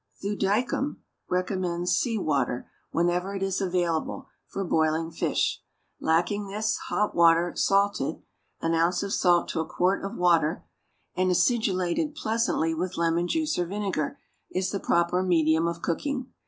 Thudichum recommends sea water, whenever it is available, for boiling fish; lacking this, hot water, salted (an ounce of salt to a quart of water), and acidulated pleasantly with lemon juice or vinegar, is the proper medium of cooking.